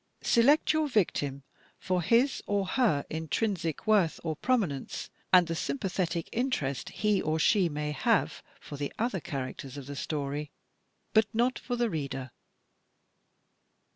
Select your victim for his or her intrinsic worth or promi nence and the sympathetic interest he or she may have for the other characters of the story, but not for the reader.